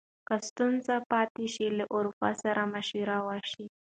که ستونزه پاتې شي، له ارواپوه سره مشوره وشي.